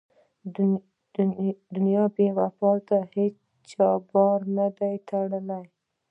دنیا بې وفا ده هېچا بار نه دی تړلی.